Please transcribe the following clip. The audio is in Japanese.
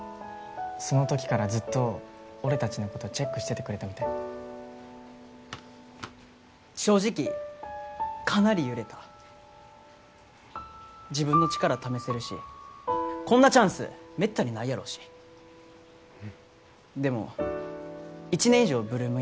その時からずっと俺達のことチェックしててくれたみたい正直かなり揺れた自分の力試せるしこんなチャンスめったにないやろうしでも１年以上８ＬＯＯＭ